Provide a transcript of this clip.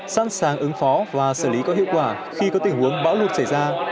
sẵn sàng ứng phó và xử lý có hiệu quả khi có tình huống bão lụt xảy ra